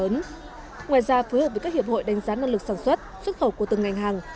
ngoài ra phối hợp với các hiệp hội đánh giá năng lực sản xuất xuất khẩu của từng ngành hàng